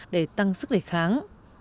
để tăng sức đề kháng